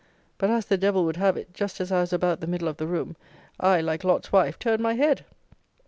But, as the devil would have it, just as I was about the middle of the room, I, like Lot's wife, turned my head!